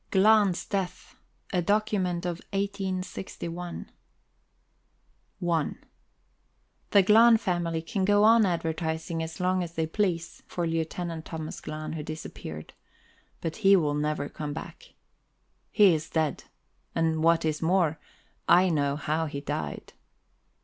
GLAHN'S DEATH A DOCUMENT OF 1861 I The Glahn family can go on advertising as long as they please for Lieutenant Thomas Glahn, who disappeared; but he will never come back. He is dead, and, what is more, I know how he died.